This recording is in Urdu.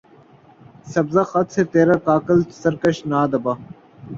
سبزۂ خط سے ترا کاکل سرکش نہ دبا